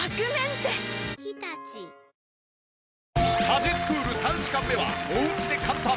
家事スクール３時間目はお家で簡単！